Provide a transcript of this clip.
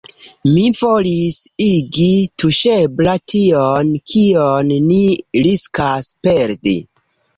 Mi volis igi tuŝebla tion, kion ni riskas perdi.